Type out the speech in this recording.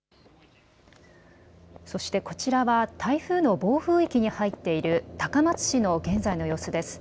そして、こちらは台風の暴風域に入っている高松市の現在の様子です。